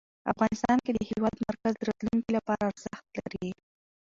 افغانستان کې د هېواد مرکز د راتلونکي لپاره ارزښت لري.